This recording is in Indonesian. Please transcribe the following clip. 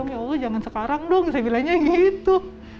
ya allah jangan sekarang dong saya bilangnya gitu